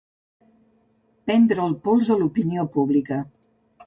Prendre el pols a l'opinió pública.